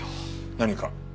何か？